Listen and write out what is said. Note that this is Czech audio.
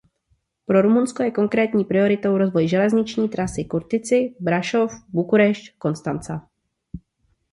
Pro Rumunsko je konkrétní prioritou rozvoj železniční trasy Curtici-Brašov-Bukurešť-Constanza.